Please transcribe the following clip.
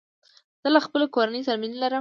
زه له خپلي کورنۍ سره مينه لرم